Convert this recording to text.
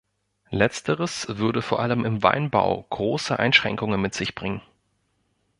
Letzteres würde vor allem im Weinbau große Einschränkungen mit sich bringen.